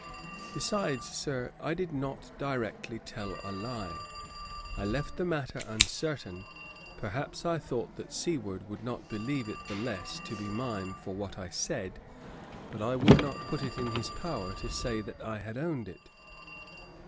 Besides, Sir, I did not directly tell a lie: I left the matter uncertain. Perhaps I thought that Seward would not believe it the less to be mine for what I said; but I would not put it in his power to say I had owned it.'